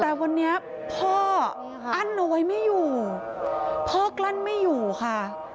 แต่วันนี้พ่ออั้นเอาไว้ไม่อยู่พ่อกลั้นไม่อยู่ค่ะ